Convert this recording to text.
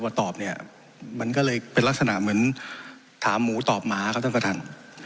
พอตอบเนี่ยมันก็เลยเป็นลักษณะเหมือนถามหมูตอบหมาครับท่านประธาน